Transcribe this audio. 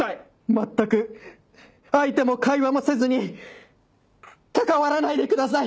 全く相手も会話もせずに関わらないでください！